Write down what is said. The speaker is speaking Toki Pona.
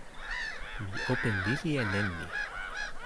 mi open lili e len mi.